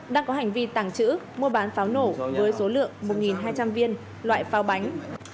đang có hành vi tảng chữ mua bán pháo nổ với số lượng một hai trăm linh viên loại pháo bánh